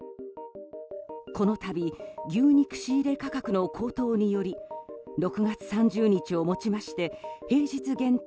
この度、牛肉仕入れ価格の高騰により６月３０日をもちまして平日限定